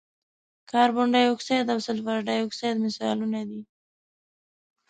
کاربن ډای اکسایډ او سلفر ډای اکساید مثالونه دي.